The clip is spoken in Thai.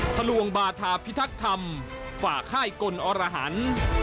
ทะลวงบาธาพิทักษ์ธรรมฝ่าค่ายกลอรหัน